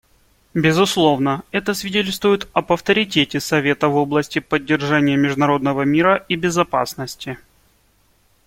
Безусловно, это свидетельствует об авторитете Совета в области поддержания международного мира и безопасности.